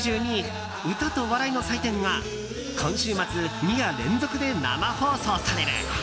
歌と笑いの祭典」が今週末、２夜連続で生放送される。